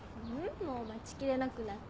もう待ちきれなくなって。